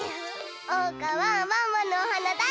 おうかはワンワンのおはなだいすき！